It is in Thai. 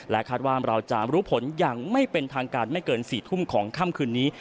คาดว่าเราจะรู้ผลอย่างไม่เป็นทางการไม่เกิน๔ทุ่มของค่ำคืนนี้